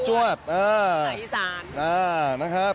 สวายอีสาน